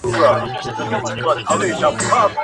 زه ډېر كوچنى سم ،سم په مځكه ننوځم يارانـــو~